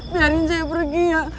biarin saya pergi ya